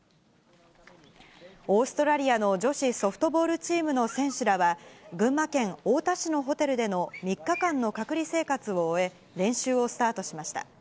オーストラリアの女子ソフトボールチームの選手らは、群馬県太田市のホテルでの３日間の隔離生活を終え、練習をスタートしました。